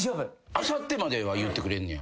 あさってまでは言うてくれんねや。